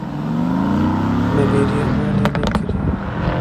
Me bêriya malê nekiriye.